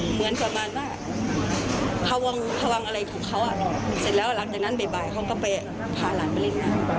เหมือนประมาณว่าพวงอะไรของเขาเสร็จแล้วหลังจากนั้นบ่ายเขาก็ไปพาหลานไปเล่นน้ำ